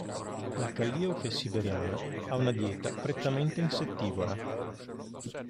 La calliope siberiana ha una dieta prettamente insettivora.